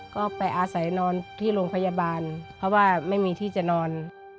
ก็ไปอาศัยนอนที่โรงพยาบาลเพราะว่าไม่มีที่จะนอน